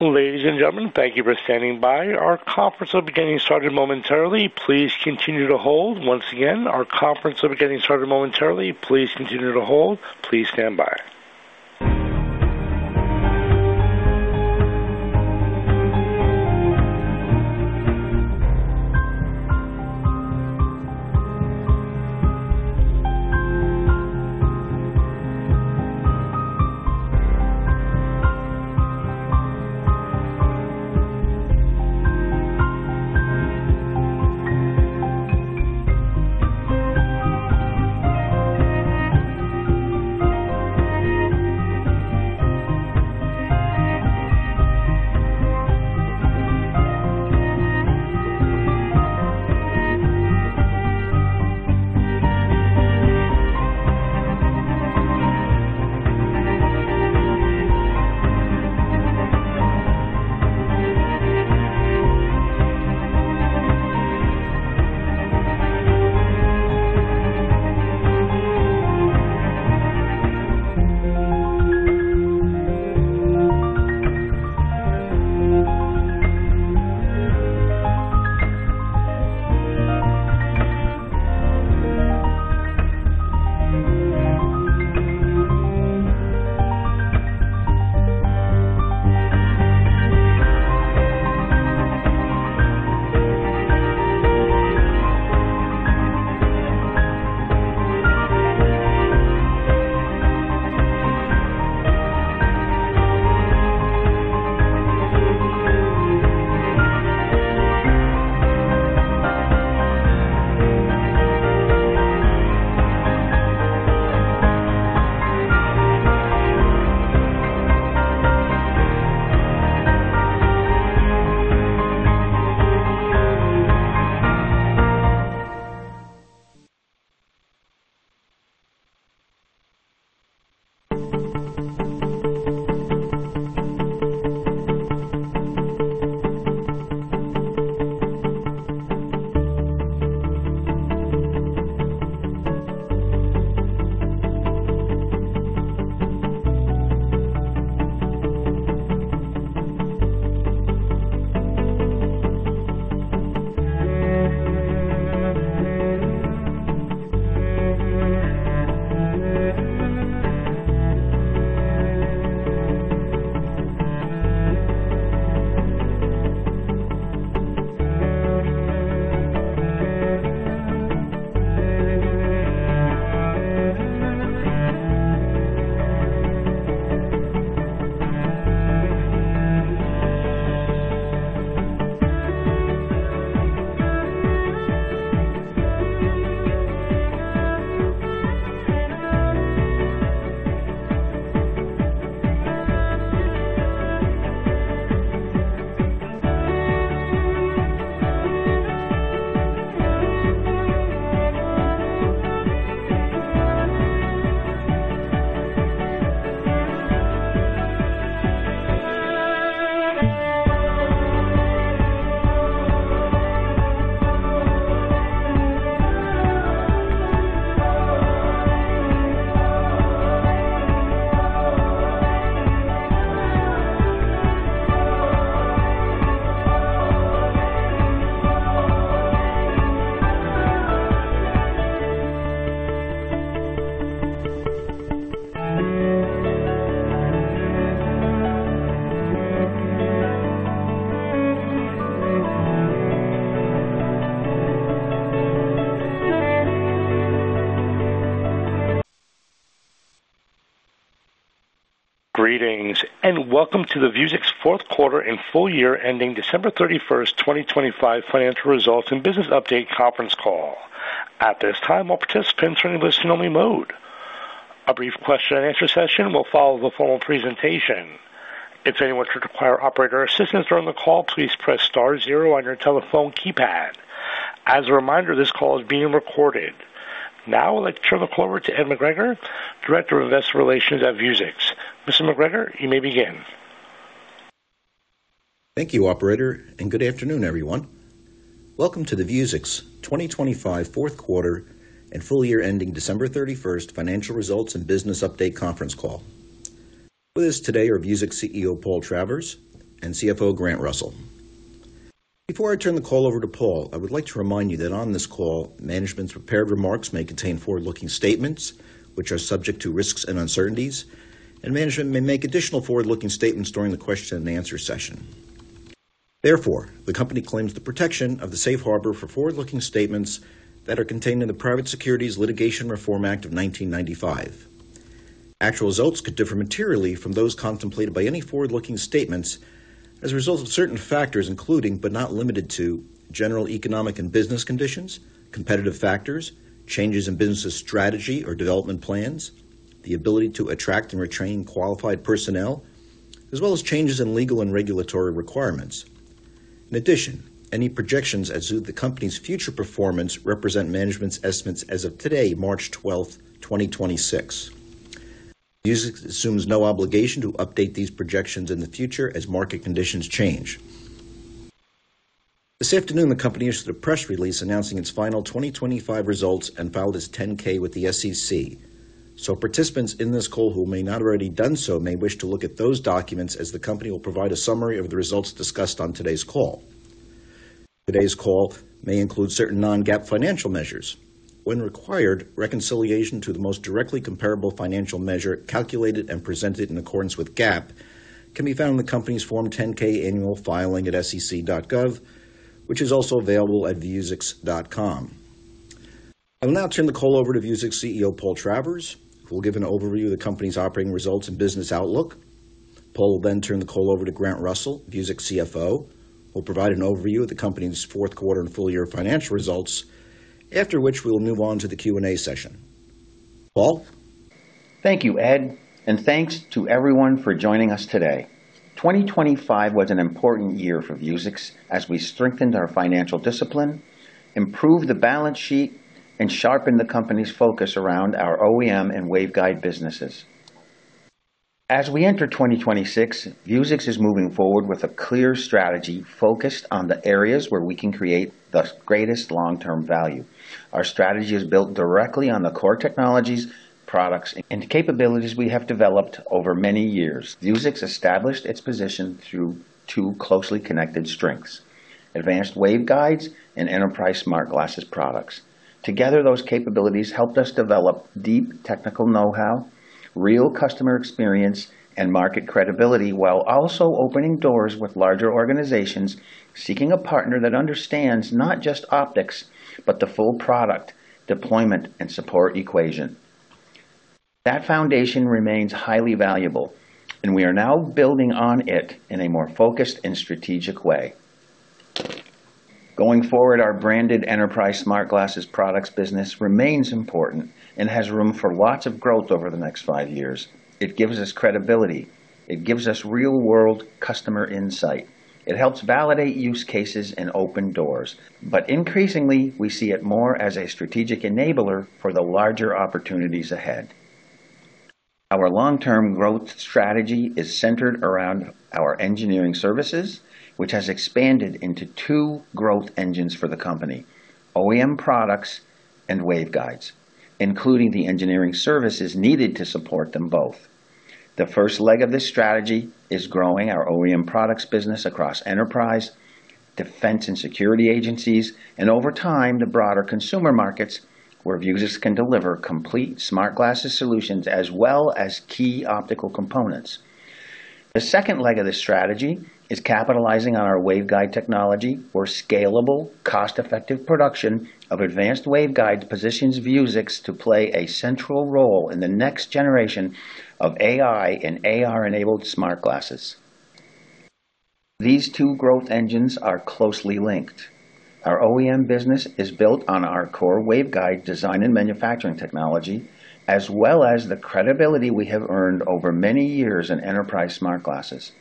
Ladies and gentlemen, thank you for standing by. Our conference will be getting started momentarily. Please continue to hold. Once again, our conference will be getting started momentarily. Please continue to hold. Please stand by. Greetings, and welcome to the Vuzix fourth quarter and full year ending December 31st, 2025 financial results and business update conference call. At this time, all participants are in listen-only mode. A brief question and answer session will follow the formal presentation. If anyone should require operator assistance during the call, please press star zero on your telephone keypad. As a reminder, this call is being recorded. Now I'd like to turn the call over to Ed McGregor, Director of Investor Relations at Vuzix. Mr. McGregor, you may begin. Thank you, operator, and good afternoon, everyone. Welcome to the Vuzix 2025 fourth quarter and full year ending December 31st financial results and business update conference call. With us today are Vuzix CEO Paul Travers and CFO Grant Russell. Before I turn the call over to Paul, I would like to remind you that on this call, management's prepared remarks may contain forward-looking statements which are subject to risks and uncertainties, and management may make additional forward-looking statements during the question and answer session. Therefore, the company claims the protection of the safe harbor for forward-looking statements that are contained in the Private Securities Litigation Reform Act of 1995. Actual results could differ materially from those contemplated by any forward-looking statements as a result of certain factors, including, but not limited to general economic and business conditions, competitive factors, changes in business strategy or development plans, the ability to attract and retain qualified personnel, as well as changes in legal and regulatory requirements. In addition, any projections as to the company's future performance represent management's estimates as of today, March 12th, 2026. Vuzix assumes no obligation to update these projections in the future as market conditions change. This afternoon, the company issued a press release announcing its final 2025 results and filed its 10-K with the SEC. Participants in this call who may not already done so may wish to look at those documents as the company will provide a summary of the results discussed on today's call. Today's call may include certain non-GAAP financial measures. When required, reconciliation to the most directly comparable financial measure calculated and presented in accordance with GAAP can be found in the company's Form 10-K annual filing at SEC.gov, which is also available at Vuzix.com. I will now turn the call over to Vuzix CEO Paul Travers, who will give an overview of the company's operating results and business outlook. Paul will then turn the call over to Grant Russell, Vuzix CFO, who will provide an overview of the company's fourth quarter and full year financial results. After which we will move on to the Q&A session. Paul? Thank you, Ed, and thanks to everyone for joining us today. 2025 was an important year for Vuzix as we strengthened our financial discipline, improved the balance sheet, and sharpened the company's focus around our OEM and waveguide businesses. As we enter 2026, Vuzix is moving forward with a clear strategy focused on the areas where we can create the greatest long-term value. Our strategy is built directly on the core technologies, products, and capabilities we have developed over many years. Vuzix established its position through two closely connected strengths, advanced waveguides and enterprise smart glasses products. Together, those capabilities helped us develop deep technical know-how, real customer experience, and market credibility, while also opening doors with larger organizations seeking a partner that understands not just optics, but the full product deployment and support equation. That foundation remains highly valuable, and we are now building on it in a more focused and strategic way. Going forward, our branded enterprise smart glasses products business remains important and has room for lots of growth over the next five years. It gives us credibility. It gives us real-world customer insight. It helps validate use cases and open doors. But increasingly, we see it more as a strategic enabler for the larger opportunities ahead. Our long-term growth strategy is centered around our engineering services, which has expanded into two growth engines for the company, OEM products and waveguides, including the engineering services needed to support them both. The first leg of this strategy is growing our OEM products business across enterprise, defense, and security agencies, and over time, the broader consumer markets where Vuzix can deliver complete smart glasses solutions as well as key optical components. The second leg of this strategy is capitalizing on our waveguide technology for scalable, cost-effective production of advanced waveguides, positions Vuzix to play a central role in the next generation of AI and AR-enabled smart glasses. These two growth engines are closely linked. Our OEM business is built on our core waveguide design and manufacturing technology, as well as the credibility we have earned over many years in enterprise smart glasses.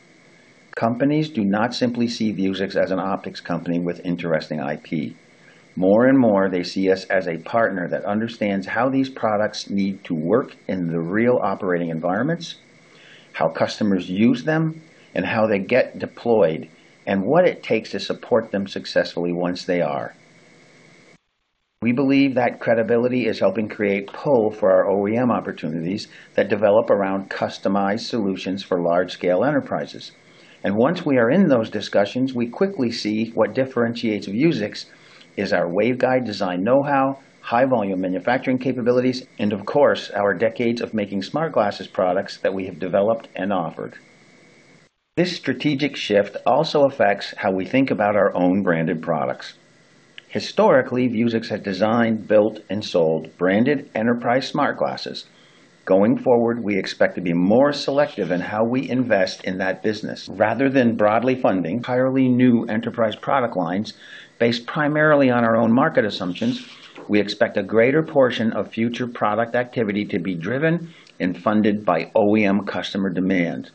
Companies do not simply see Vuzix as an optics company with interesting IP. More and more, they see us as a partner that understands how these products need to work in the real operating environments, how customers use them, and how they get deployed, and what it takes to support them successfully once they are. We believe that credibility is helping create pull for our OEM opportunities that develop around customized solutions for large-scale enterprises. Once we are in those discussions, we quickly see what differentiates Vuzix is our waveguide design know-how, high volume manufacturing capabilities, and of course, our decades of making smart glasses products that we have developed and offered. This strategic shift also affects how we think about our own branded products. Historically, Vuzix had designed, built, and sold branded enterprise smart glasses. Going forward, we expect to be more selective in how we invest in that business. Rather than broadly funding entirely new enterprise product lines based primarily on our own market assumptions, we expect a greater portion of future product activity to be driven and funded by OEM customer demand.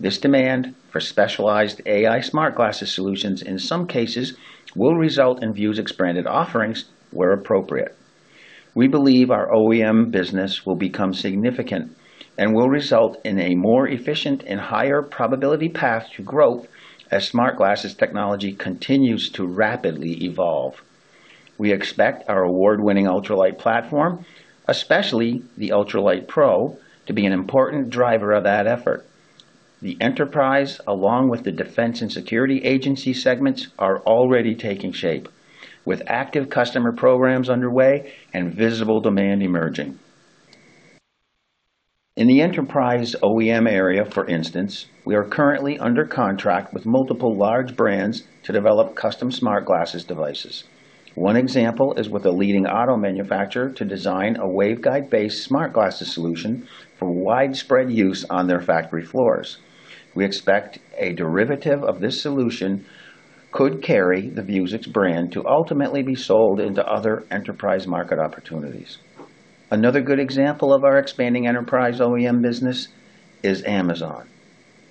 This demand for specialized AI smart glasses solutions, in some cases, will result in Vuzix branded offerings where appropriate. We believe our OEM business will become significant and will result in a more efficient and higher probability path to growth as smart glasses technology continues to rapidly evolve. We expect our award-winning Ultralite platform, especially the Ultralite Pro, to be an important driver of that effort. The enterprise, along with the defense and security agency segments, are already taking shape, with active customer programs underway and visible demand emerging. In the enterprise OEM area, for instance, we are currently under contract with multiple large brands to develop custom smart glasses devices. One example is with a leading auto manufacturer to design a waveguide-based smart glasses solution for widespread use on their factory floors. We expect a derivative of this solution could carry the Vuzix brand to ultimately be sold into other enterprise market opportunities. Another good example of our expanding enterprise OEM business is Amazon.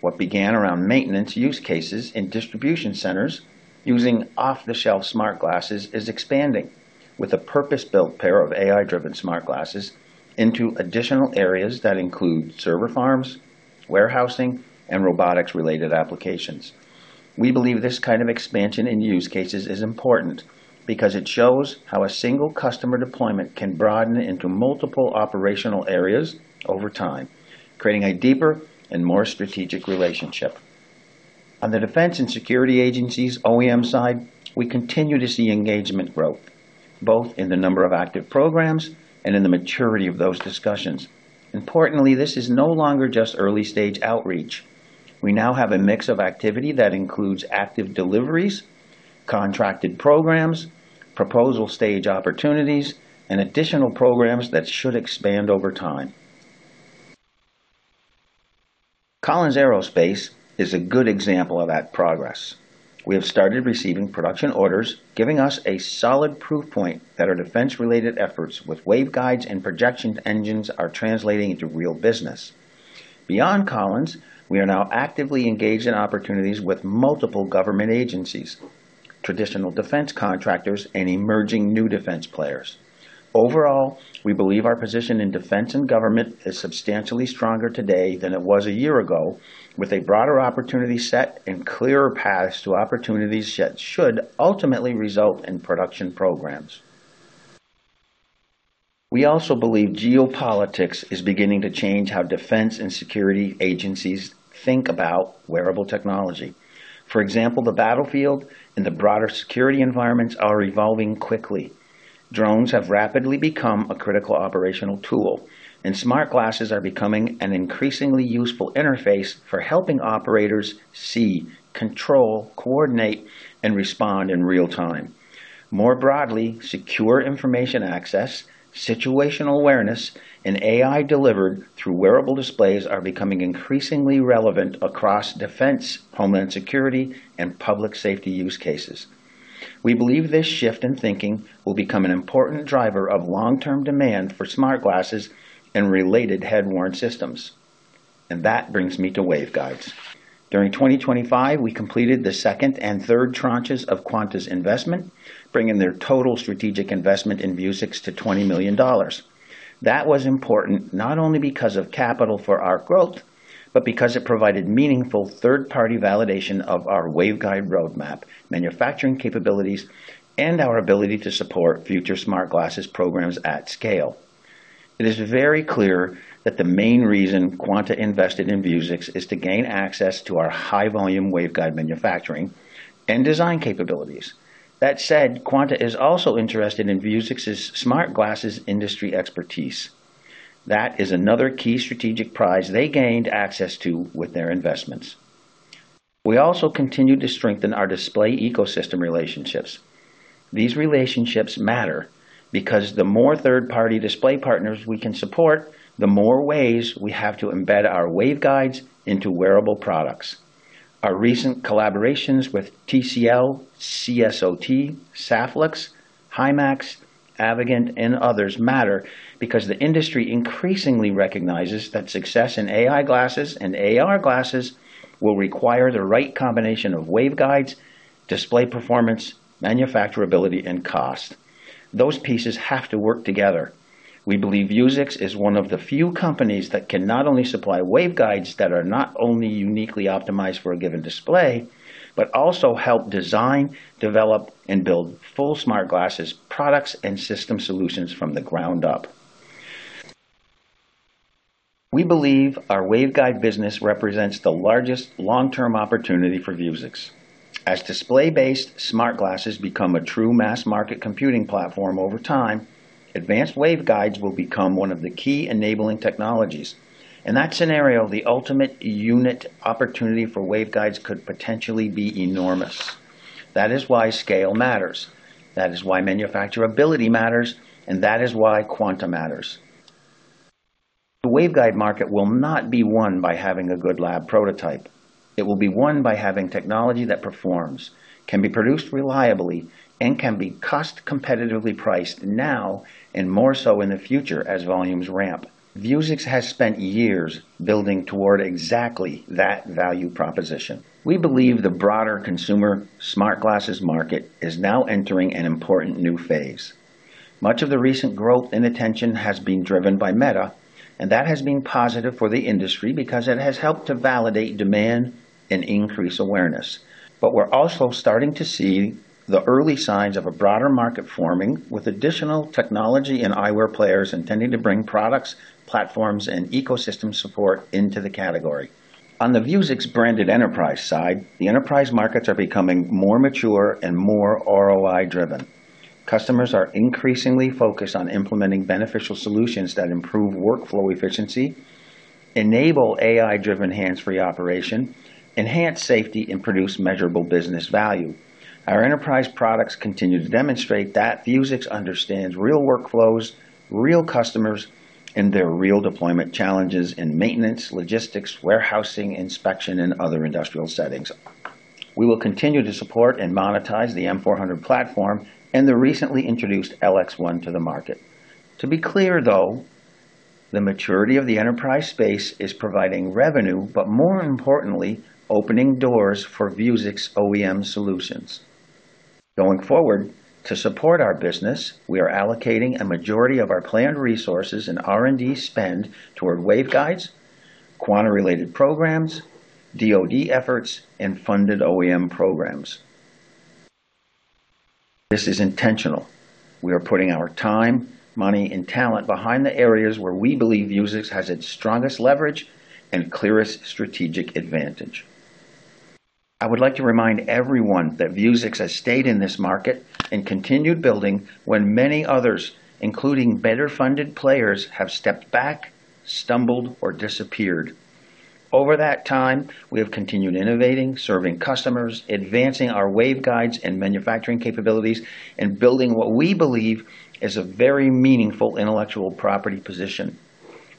What began around maintenance use cases in distribution centers using off-the-shelf smart glasses is expanding with a purpose-built pair of AI-driven smart glasses into additional areas that include server farms, warehousing, and robotics-related applications. We believe this kind of expansion in use cases is important because it shows how a single customer deployment can broaden into multiple operational areas over time, creating a deeper and more strategic relationship. On the defense and security agencies OEM side, we continue to see engagement growth, both in the number of active programs and in the maturity of those discussions. Importantly, this is no longer just early-stage outreach. We now have a mix of activity that includes active deliveries, contracted programs, proposal stage opportunities, and additional programs that should expand over time. Collins Aerospace is a good example of that progress. We have started receiving production orders, giving us a solid proof point that our defense-related efforts with waveguides and projection engines are translating into real business. Beyond Collins Aerospace, we are now actively engaged in opportunities with multiple government agencies, traditional defense contractors, and emerging new defense players. Overall, we believe our position in defense and government is substantially stronger today than it was a year ago, with a broader opportunity set and clearer paths to opportunities that should ultimately result in production programs. We also believe geopolitics is beginning to change how defense and security agencies think about wearable technology. For example, the battlefield and the broader security environments are evolving quickly. Drones have rapidly become a critical operational tool, and smart glasses are becoming an increasingly useful interface for helping operators see, control, coordinate, and respond in real time. More broadly, secure information access, situational awareness, and AI delivered through wearable displays are becoming increasingly relevant across defense, homeland security, and public safety use cases. We believe this shift in thinking will become an important driver of long-term demand for smart glasses and related head-worn systems. That brings me to waveguides. During 2025, we completed the second and third tranches of Quanta's investment, bringing their total strategic investment in Vuzix to $20 million. That was important not only because of capital for our growth, but because it provided meaningful third-party validation of our waveguide roadmap, manufacturing capabilities, and our ability to support future smart glasses programs at scale. It is very clear that the main reason Quanta invested in Vuzix is to gain access to our high-volume waveguide manufacturing and design capabilities. That said, Quanta is also interested in Vuzix's smart glasses industry expertise. That is another key strategic prize they gained access to with their investments. We also continue to strengthen our display ecosystem relationships. These relationships matter because the more third-party display partners we can support, the more ways we have to embed our waveguides into wearable products. Our recent collaborations with TCL, CSOT, Saflex, Himax, Avegant, and others matter because the industry increasingly recognizes that success in AI glasses and AR glasses will require the right combination of waveguides, display performance, manufacturability, and cost. Those pieces have to work together. We believe Vuzix is one of the few companies that can not only supply waveguides that are not only uniquely optimized for a given display, but also help design, develop, and build full smart glasses products and system solutions from the ground up. We believe our waveguide business represents the largest long-term opportunity for Vuzix. As display-based smart glasses become a true mass-market computing platform over time, advanced waveguides will become one of the key enabling technologies. In that scenario, the ultimate unit opportunity for waveguides could potentially be enormous. That is why scale matters. That is why manufacturability matters, and that is why Quanta matters. The waveguide market will not be won by having a good lab prototype. It will be won by having technology that performs, can be produced reliably, and can be cost-competitively priced now and more so in the future as volumes ramp. Vuzix has spent years building toward exactly that value proposition. We believe the broader consumer smart glasses market is now entering an important new phase. Much of the recent growth and attention has been driven by Meta, and that has been positive for the industry because it has helped to validate demand and increase awareness. We're also starting to see the early signs of a broader market forming with additional technology and eyewear players intending to bring products, platforms, and ecosystem support into the category. On the Vuzix-branded enterprise side, the enterprise markets are becoming more mature and more ROI-driven. Customers are increasingly focused on implementing beneficial solutions that improve workflow efficiency, enable AI-driven hands-free operation, enhance safety, and produce measurable business value. Our enterprise products continue to demonstrate that Vuzix understands real workflows, real customers, and their real deployment challenges in maintenance, logistics, warehousing, inspection, and other industrial settings. We will continue to support and monetize the M400 platform and the recently introduced LX1 to the market. To be clear, though, the maturity of the enterprise space is providing revenue, but more importantly, opening doors for Vuzix OEM solutions. Going forward, to support our business, we are allocating a majority of our planned resources and R&D spend toward waveguides, Quanta-related programs, DoD efforts, and funded OEM programs. This is intentional. We are putting our time, money, and talent behind the areas where we believe Vuzix has its strongest leverage and clearest strategic advantage. I would like to remind everyone that Vuzix has stayed in this market and continued building when many others, including better-funded players, have stepped back, stumbled, or disappeared. Over that time, we have continued innovating, serving customers, advancing our waveguides and manufacturing capabilities, and building what we believe is a very meaningful intellectual property position.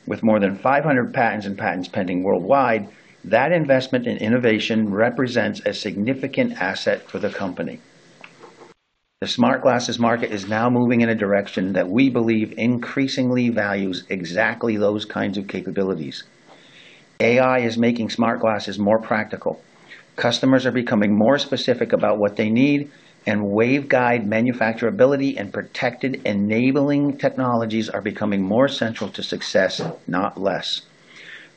With more than 500 patents and patents pending worldwide, that investment in innovation represents a significant asset for the company. The smart glasses market is now moving in a direction that we believe increasingly values exactly those kinds of capabilities. AI is making smart glasses more practical. Customers are becoming more specific about what they need, and waveguide manufacturability and protected enabling technologies are becoming more central to success, not less.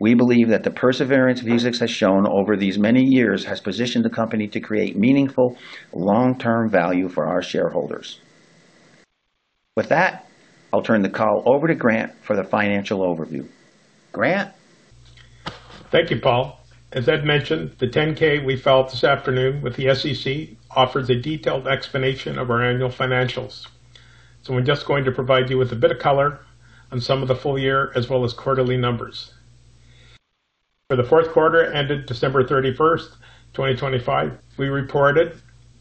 We believe that the perseverance Vuzix has shown over these many years has positioned the company to create meaningful, long-term value for our shareholders. With that, I'll turn the call over to Grant for the financial overview. Grant? Thank you, Paul. As Ed mentioned, the 10-K we filed this afternoon with the SEC offers a detailed explanation of our annual financials. We're just going to provide you with a bit of color on some of the full year as well as quarterly numbers. For the fourth quarter ended December 31st, 2025, we reported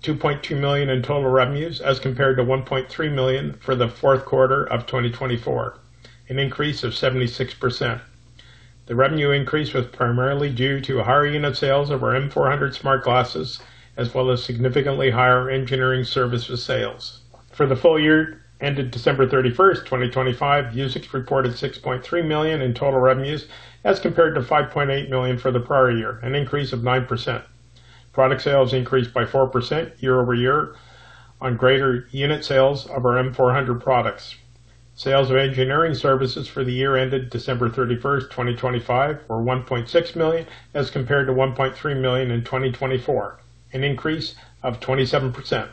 $2.2 million in total revenues as compared to $1.3 million for the fourth quarter of 2024, an increase of 76%. The revenue increase was primarily due to higher unit sales of our M400 smart glasses, as well as significantly higher engineering services sales. For the full year ended December 31st, 2025, Vuzix reported $6.3 million in total revenues as compared to $5.8 million for the prior year, an increase of 9%. Product sales increased by 4% year-over-year on greater unit sales of our M400 products. Sales of engineering services for the year ended December 31st, 2025, were $1.6 million as compared to $1.3 million in 2024, an increase of 27%.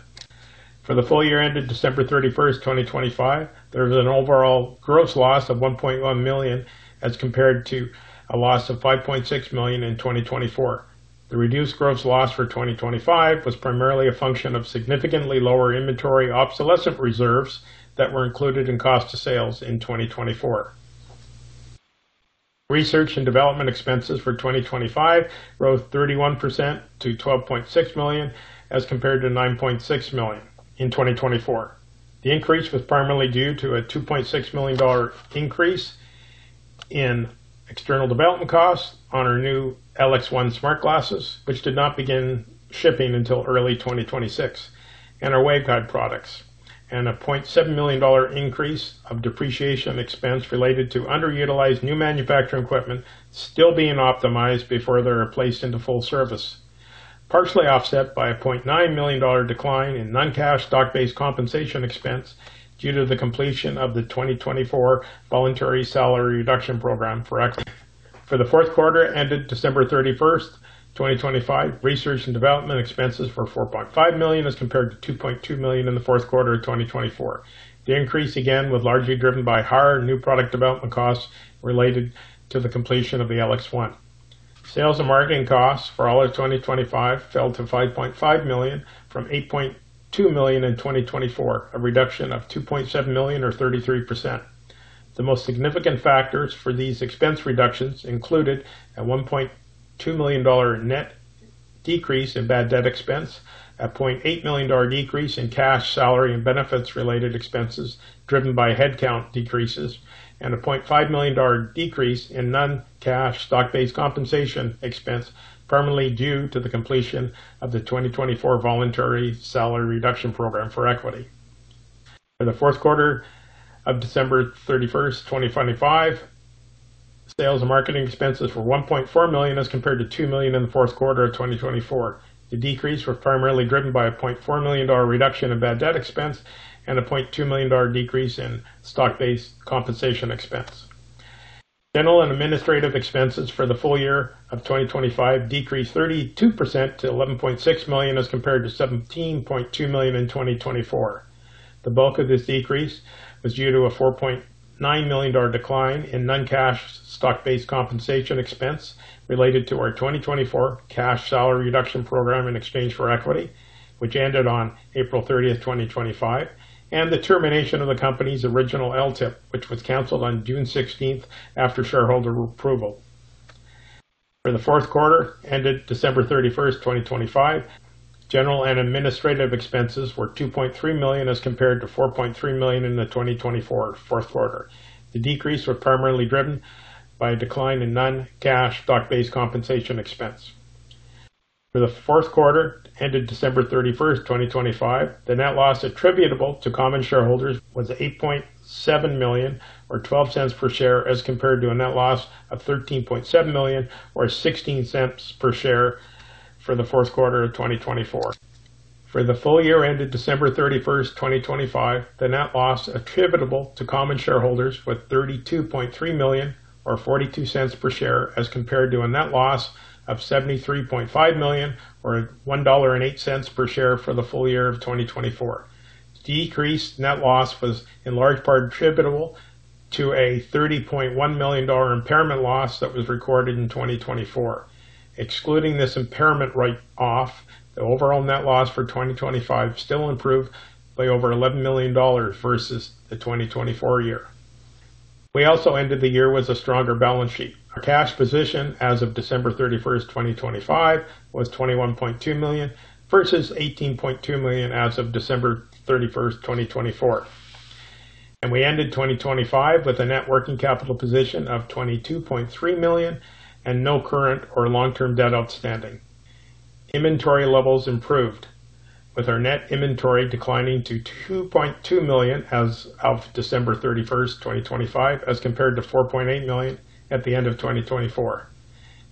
For the full year ended December 31st, 2025, there was an overall gross loss of $1.1 million as compared to a loss of $5.6 million in 2024. The reduced gross loss for 2025 was primarily a function of significantly lower inventory obsolescence reserves that were included in cost of sales in 2024. Research and development expenses for 2025 rose 31% to $12.6 million as compared to $9.6 million in 2024. The increase was primarily due to a $2.6 million increase in external development costs on our new LX1 smart glasses, which did not begin shipping until early 2026, and our waveguide products, and a $0.7 million increase of depreciation expense related to underutilized new manufacturing equipment still being optimized before they're placed into full service. Partially offset by a $0.9 million decline in non-cash stock-based compensation expense due to the completion of the 2024 voluntary salary reduction program for equity. For the fourth quarter ended December 31st, 2025, research and development expenses were $4.5 million as compared to $2.2 million in the fourth quarter of 2024. The increase again was largely driven by higher new product development costs related to the completion of the LX1. Sales and marketing costs for all of 2025 fell to $5.5 million from $8.2 million in 2024, a reduction of $2.7 million or 33%. The most significant factors for these expense reductions included a $1.2 million net decrease in bad debt expense, a $0.8 million decrease in cash salary and benefits related expenses driven by headcount decreases, and a $0.5 million decrease in non-cash stock-based compensation expense, primarily due to the completion of the 2024 voluntary salary reduction program for equity. For the fourth quarter of December 31, 2025, sales and marketing expenses were $1.4 million as compared to $2 million in the fourth quarter of 2024. The decrease were primarily driven by a $0.4 million reduction in bad debt expense and a $0.2 million decrease in stock-based compensation expense. General and administrative expenses for the full year of 2025 decreased 32% to $11.6 million as compared to $17.2 million in 2024. The bulk of this decrease was due to a $4.9 million decline in non-cash stock-based compensation expense related to our 2024 cash salary reduction program in exchange for equity, which ended on April 30th, 2025, and the termination of the company's original LTIP, which was canceled on June 16th after shareholder approval. For the fourth quarter ended December 31st, 2025, general and administrative expenses were $2.3 million as compared to $4.3 million in the 2024 fourth quarter. The decrease was primarily driven by a decline in non-cash stock-based compensation expense. For the fourth quarter ended December 31st, 2025, the net loss attributable to common shareholders was $8.7 million or $0.12 per share as compared to a net loss of $13.7 million or $0.16 per share for the fourth quarter of 2024. For the full year ended December 31st, 2025, the net loss attributable to common shareholders was $32.3 million or $0.42 per share as compared to a net loss of $73.5 million or $1.08 per share for the full year of 2024. Decreased net loss was in large part attributable to a $30.1 million dollar impairment loss that was recorded in 2024. Excluding this impairment write off, the overall net loss for 2025 still improved by over $11 million dollars versus the 2024 year. We also ended the year with a stronger balance sheet. Our cash position as of December 31st, 2025 was $21.2 million versus $18.2 million as of December 31st, 2024. We ended 2025 with a net working capital position of $22.3 million and no current or long-term debt outstanding. Inventory levels improved, with our net inventory declining to $2.2 million as of December 31st, 2025, as compared to $4.8 million at the end of 2024.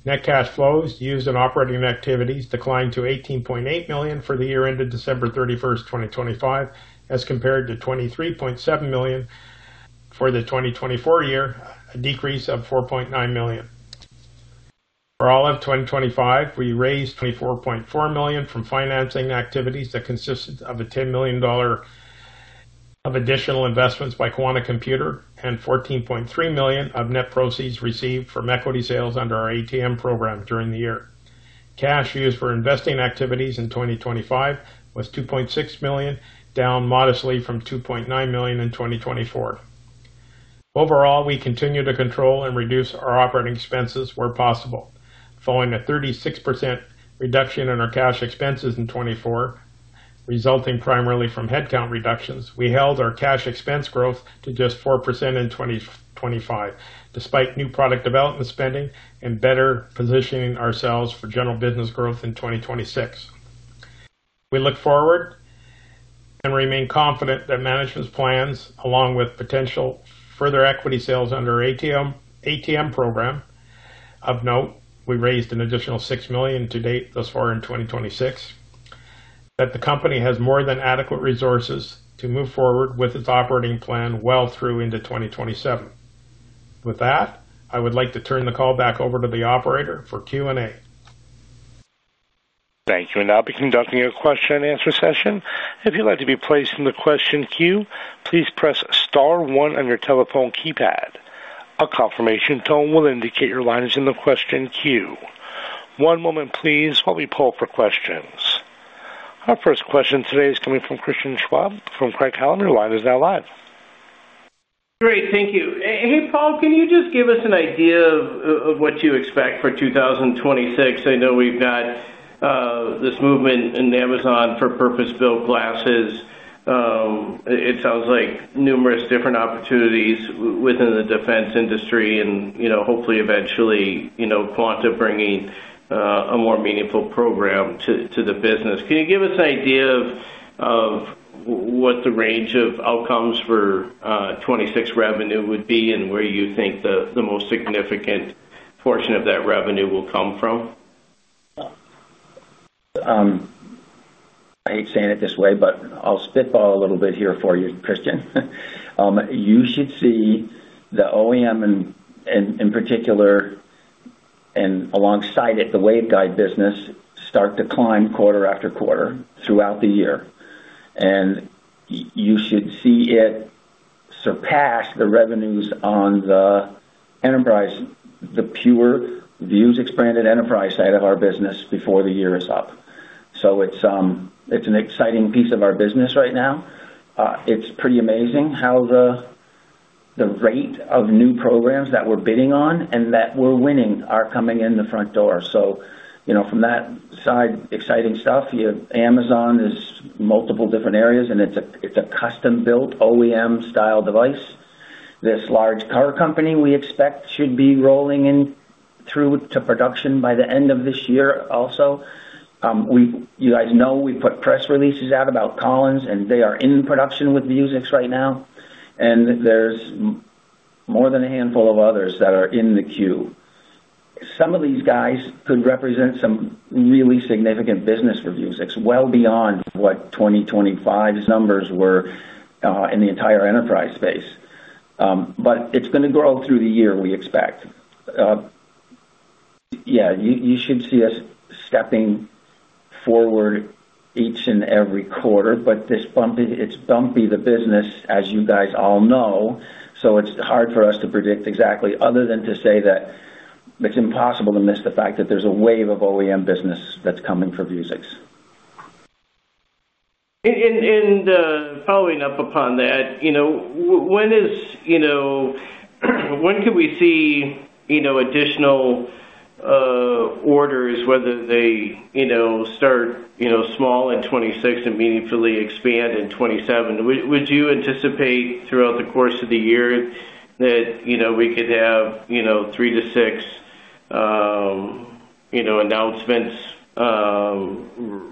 Net cash flows used in operating activities declined to $18.8 million for the year ended December 31st, 2025, as compared to $23.7 million for the 2024 year, a decrease of $4.9 million. For all of 2025, we raised $24.4 million from financing activities that consisted of $10 million of additional investments by Quanta Computer and $14.3 million of net proceeds received from equity sales under our ATM program during the year. Cash used for investing activities in 2025 was $2.6 million, down modestly from $2.9 million in 2024. Overall, we continue to control and reduce our operating expenses where possible. Following a 36% reduction in our cash expenses in 2024, resulting primarily from headcount reductions, we held our cash expense growth to just 4% in 2025, despite new product development spending and better positioning ourselves for general business growth in 2026. We look forward and remain confident that management's plans, along with potential further equity sales under ATM program. Of note, we raised an additional $6 million to date thus far in 2025, that the company has more than adequate resources to move forward with its operating plan well through into 2027. With that, I would like to turn the call back over to the operator for Q&A. Thank you. We'll now be conducting a question and answer session. If you'd like to be placed in the question queue, please press star one on your telephone keypad. A confirmation tone will indicate your line is in the question queue. One moment please while we poll for questions. Our first question today is coming from Christian Schwab from Craig-Hallum. Your line is now live. Great, thank you. Hey, Paul, can you just give us an idea of what you expect for 2026? I know we've got this movement in Amazon for purpose-built glasses. It sounds like numerous different opportunities within the defense industry and, you know, hopefully eventually, you know, Quanta bringing a more meaningful program to the business. Can you give us an idea of what the range of outcomes for 2026 revenue would be and where you think the most significant portion of that revenue will come from? I hate saying it this way, but I'll spitball a little bit here for you, Christian. You should see the OEM in particular, and alongside it, the waveguide business start to climb quarter after quarter throughout the year. You should see it surpass the revenues on the enterprise, the pure Vuzix branded enterprise side of our business before the year is up. It's an exciting piece of our business right now. It's pretty amazing how the rate of new programs that we're bidding on and that we're winning are coming in the front door. You know, from that side, exciting stuff. You have Amazon in multiple different areas, and it's a custom-built OEM style device. This large car company we expect should be rolling into production by the end of this year also. You guys know we put press releases out about Collins, and they are in production with Vuzix right now, and there's more than a handful of others that are in the queue. Some of these guys could represent some really significant business for Vuzix, well beyond what 2025's numbers were in the entire enterprise space. It's gonna grow through the year, we expect. Yeah, you should see us stepping forward each and every quarter, but it's bumpy, the business, as you guys all know, so it's hard for us to predict exactly, other than to say that it's impossible to miss the fact that there's a wave of OEM business that's coming for Vuzix. Following up upon that, you know, when could we see, you know, additional orders, whether they, you know, start, you know, small in 2026 and meaningfully expand in 2027? Would you anticipate throughout the course of the year that, you know, we could have, you know, three to six, you know, announcements,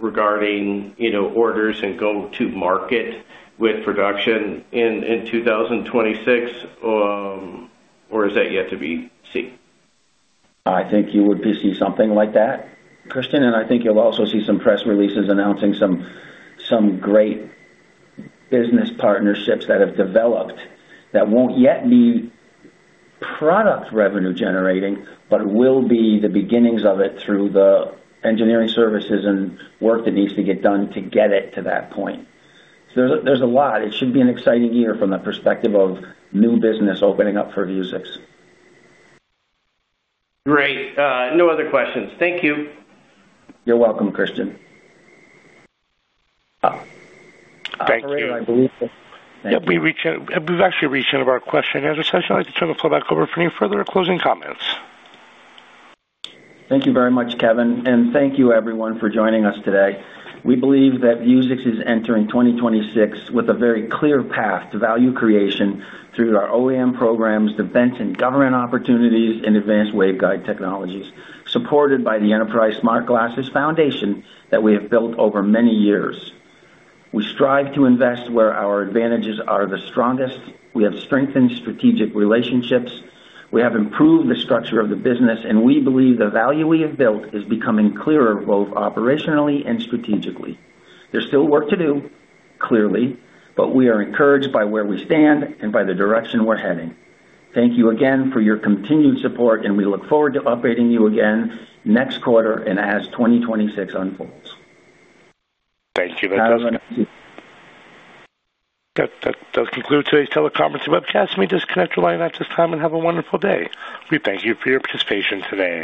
regarding, you know, orders and go to market with production in 2026, or is that yet to be seen? I think you would be seeing something like that, Christian. I think you'll also see some press releases announcing some great business partnerships that have developed that won't yet be product revenue generating, but will be the beginnings of it through the engineering services and work that needs to get done to get it to that point. There's a lot. It should be an exciting year from the perspective of new business opening up for Vuzix. Great. No other questions. Thank you. You're welcome, Christian. Thank you. Operator, I believe. Yeah. We've actually reached the end of our question and answer session. I'd like to turn the call back over for any further closing comments. Thank you very much, Kevin. Thank you everyone for joining us today. We believe that Vuzix is entering 2026 with a very clear path to value creation through our OEM programs, defense and government opportunities, and advanced waveguide technologies, supported by the enterprise smart glasses foundation that we have built over many years. We strive to invest where our advantages are the strongest. We have strengthened strategic relationships. We have improved the structure of the business, and we believe the value we have built is becoming clearer, both operationally and strategically. There's still work to do, clearly, but we are encouraged by where we stand and by the direction we're heading. Thank you again for your continued support, and we look forward to updating you again next quarter and as 2026 unfolds. Thank you. Have a good night. That concludes today's teleconference and webcast. You may disconnect your line at this time and have a wonderful day. We thank you for your participation today.